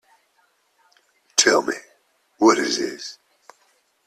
Tell me, what is this?